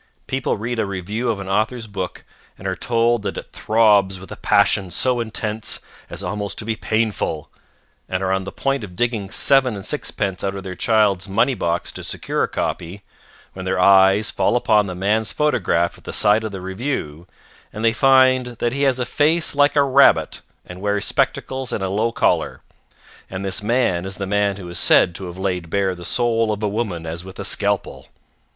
People read a review of an author's book and are told that it throbs with a passion so intense as almost to be painful, and are on the point of digging seven and sixpence out of their child's money box to secure a copy, when their eyes fall on the man's photograph at the side of the review, and they find that he has a face like a rabbit and wears spectacles and a low collar. And this man is the man who is said to have laid bare the soul of a woman as with a scalpel.